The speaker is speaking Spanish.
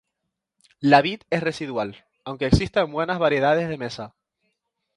La vid es residual, aunque existen buenas variedades de mesa.